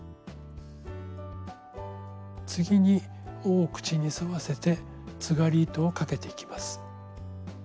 次に緒を口に沿わせてつがり糸をかけていきます。